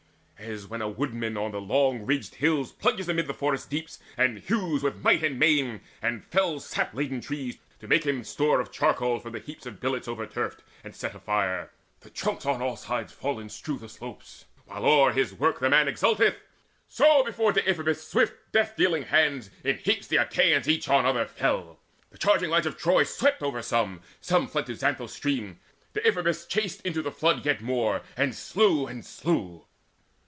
As when a woodman on the long ridged hills Plunges amid the forest depths, and hews With might and main, and fells sap laden trees To make him store of charcoal from the heaps Of billets overturfed and set afire: The trunks on all sides fallen strew the slopes, While o'er his work the man exulteth; so Before Deiphobus' swift death dealing hands In heaps the Achaeans each on other fell. The charging lines of Troy swept over some; Some fled to Xanthus' stream: Deiphobus chased Into the flood yet more, and slew and slew.